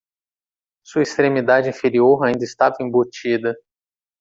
Sua extremidade inferior ainda estava embutida.